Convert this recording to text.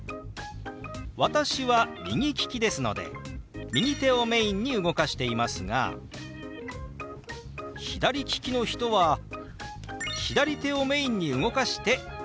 私は右利きですので右手をメインに動かしていますが左利きの人は左手をメインに動かしてＯＫです。